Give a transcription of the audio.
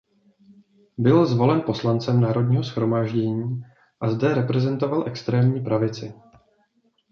Byl zvolen poslancem Národního shromáždění a zde reprezentoval extrémní pravici.